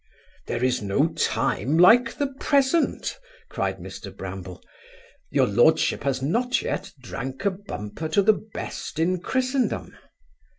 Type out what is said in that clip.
'There is no time like the present (cried Mr Bramble); your lordship has not yet drank a bumper to the best in Christendom.